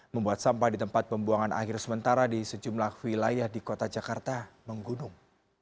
membuat sampah di tempat pembuangan akhir sementara di sejumlah wilayah di kota jakarta menggunung